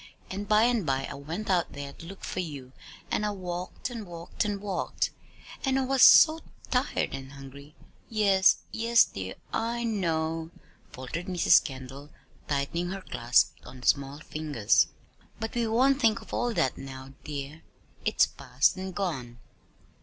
And by and by I went out there to look for you, and I walked and walked and walked. And I was so tired and hungry!" "Yes, yes, dear, I know," faltered Mrs. Kendall, tightening her clasp on the small fingers. "But we won't think of all that now, dear. It is past and gone.